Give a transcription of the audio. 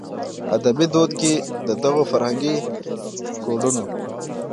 ادبي دود کې د دغو فرهنګي کوډونو